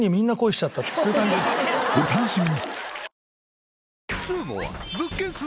お楽しみに！